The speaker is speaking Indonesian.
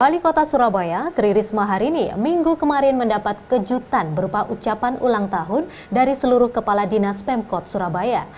wali kota surabaya tri risma hari ini minggu kemarin mendapat kejutan berupa ucapan ulang tahun dari seluruh kepala dinas pemkot surabaya